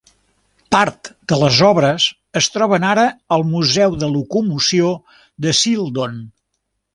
Part de les obres es troben ara al museu de locomoció de Shildon.